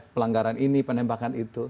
pelanggaran ini penembakan itu